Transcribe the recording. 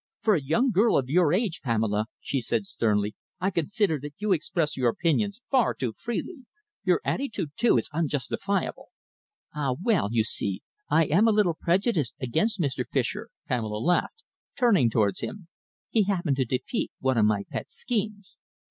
"For a young girl of your age, Pamela," she said sternly, "I consider that you express your opinions far too freely. Your attitude, too, is unjustifiable." "Ah, well, you see, I am a little prejudiced against Mr. Fischer," Pamela laughed, turning towards him. "He happened to defeat one of my pet schemes."